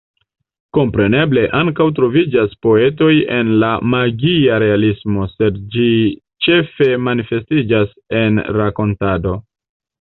Kompreneble, ankaŭ troviĝas poetoj en la magia realismo, sed ĝi ĉefe manifestiĝas en rakontado.